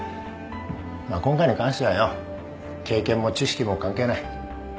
まあ今回に関してはよ経験も知識も関係ない。